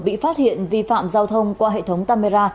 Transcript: bị phát hiện vi phạm giao thông qua hệ thống camera